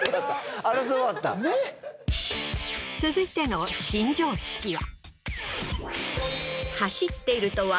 続いての新常識は。